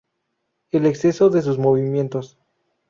El exceso de sus movimientos.